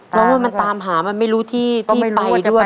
แล้วมันตามหามันไม่รู้ที่ไปด้วย